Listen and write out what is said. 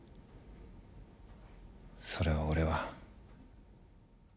それを俺は。